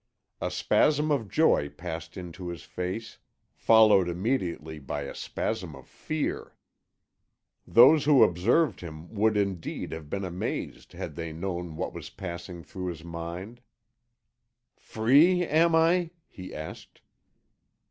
A spasm of joy passed into his face, followed immediately by a spasm of fear; those who observed him would indeed have been amazed had they known what was passing through his mind. "Free, am I?" he asked.